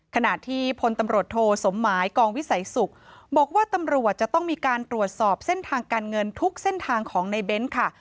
ขณะที่พลตำรวจโทสมหมายกองวิสัยศุกร์บอกว่าตำรวจจะต้องมีการตรวจสอบเส้นทางการเงินทุกเส้นทางของในเบ้นค่ะ